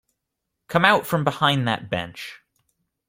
Come out from behind that bench.